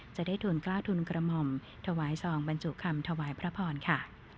จะได้ทุนกล้าทุนกระหม่อมถวายซองบรรจุคำถวายพระพรค่ะ